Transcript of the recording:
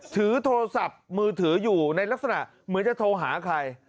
ถือโทรศัพท์มือถืออยู่ในลักษณะเหมือนจะโทรหาใคร